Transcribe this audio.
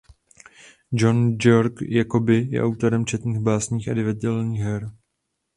Johann Georg Jacobi je autorem četných básní a divadelních her.